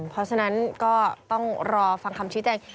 เพราะฉะนั้นก็ต้องรอฟังคำชี้แจง